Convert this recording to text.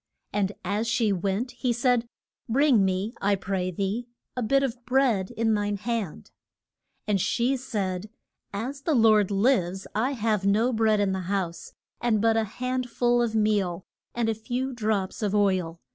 And as she went, he said, Bring me, I pray thee, a bit of bread in thine hand. [Illustration: E LI JAH FED BY RA VENS.] And she said, As the Lord lives, I have no bread in the house, and but a hand ful of meal, and a few drops of oil.